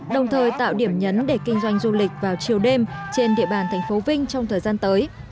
đồng thời tạo điểm nhấn để kinh doanh du lịch vào chiều đêm trên địa bàn tp vinh trong thời gian tới